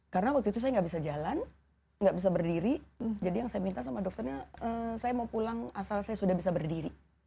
karena waktu itu saya nggak bisa jalan nggak bisa berdiri jadi yang saya minta sama dokternya saya mau pulang asal saya sudah bisa berdiri